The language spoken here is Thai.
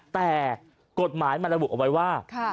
แต่กฎหมายมันระบุเอาไว้ว่า